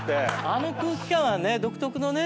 あの空気感は独特のね。